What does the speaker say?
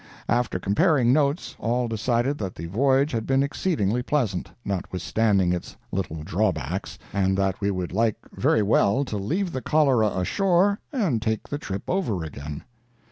After comparing notes, all decided that the voyage had been exceedingly pleasant, notwithstanding its little drawbacks, and that we would like very well to leave the cholera ashore and take the trip over again.